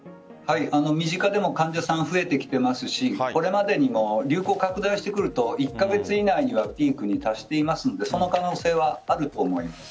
身近でも患者さんが増えてきていますしこれまでにも流行が拡大してくると１カ月以内にはピークに達していますのでその可能性はあると思います。